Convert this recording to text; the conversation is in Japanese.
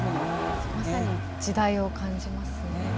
まさに時代を感じますね。